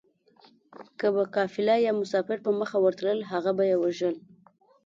که به قافله يا مسافر په مخه ورتلل هغه به يې وژل